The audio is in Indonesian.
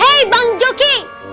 hei bang joki